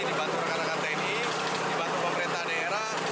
dibantu rekan rekan tni dibantu pemerintah daerah